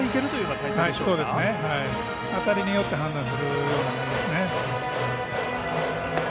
当たりによって判断するというところですね。